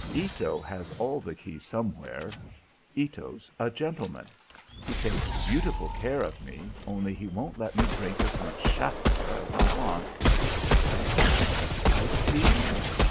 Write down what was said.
"Ito has all the keys somewhere. Ito's a gentleman. He takes beautiful care of me, only he won't let me drink as much shasta as I want. What is that? Iced tea?